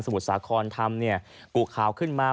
ถูกต้องอันนี้เจ๊เกียว